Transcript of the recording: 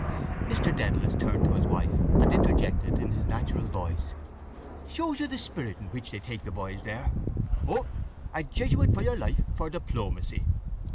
Ha! Mr Dedalus turned to his wife and interjected in his natural voice: —Shows you the spirit in which they take the boys there. O, a jesuit for your life, for diplomacy!